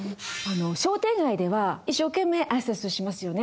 商店街では一生懸命挨拶しますよね。